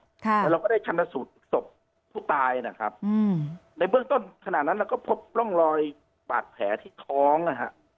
แล้วเราก็ได้ชัดละสูตรสบผู้ตายนะครับในเบื้องต้นขนาดนั้นเราก็พบร่องลอยปากแผลที่ท้องนะครับ